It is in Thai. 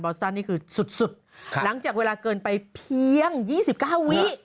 สตันนี่คือสุดหลังจากเวลาเกินไปเพียง๒๙วิ